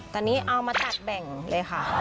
ตอนนี้เอามาตัดแบ่งเลยค่ะ